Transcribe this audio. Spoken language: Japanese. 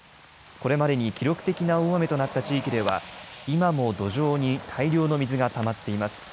これまでに記録的な大雨となった地域では今も土壌に大量の水がたまっています。